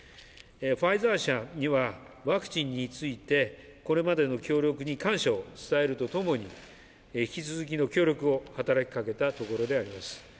ファイザー社にはワクチンについてこれまでの協力に感謝を伝えるとともに、引き続きの協力を働きかけたところであります。